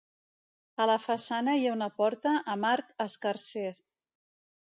A la façana hi ha una porta amb arc escarser.